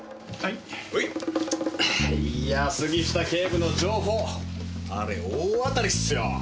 いや杉下警部の情報あれ大当たりっすよ！